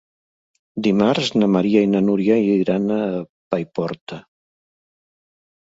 Dimarts na Maria i na Núria iran a Paiporta.